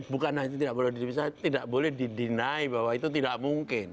bukan hanya tidak boleh di pisah tidak boleh di deny bahwa itu tidak mungkin